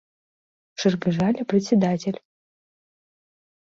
— Шыргыжале председатель.